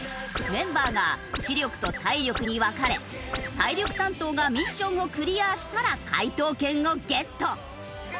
メンバーが知力と体力に分かれ体力担当がミッションをクリアしたら解答権をゲット。